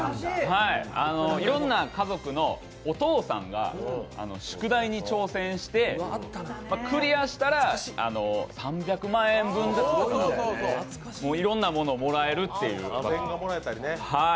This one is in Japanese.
いろんな家族のお父さんが宿題に挑戦してクリアしたら３００万円分、いろんなものをもらえるっていう。